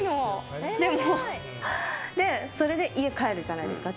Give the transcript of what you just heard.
それで、家に帰るじゃないですか。